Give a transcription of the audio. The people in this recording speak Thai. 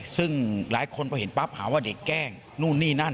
ซึ่งหลายคนพอเห็นปั๊บหาว่าเด็กแกล้งนู่นนี่นั่น